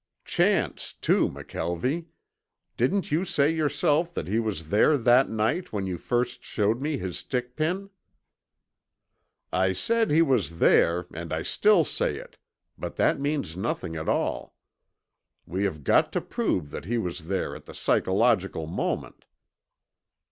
"Chance, too, McKelvie. Didn't you say yourself that he was there that night when you first showed me his stick pin?" "I said he was there and I still say it, but that means nothing at all. We have got to prove that he was there at the psychological moment."